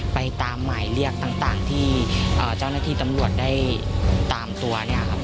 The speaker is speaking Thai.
ไปตามหมายเรียกต่างที่เจ้าหน้าที่ตำรวจได้ตามตัวเนี่ยครับ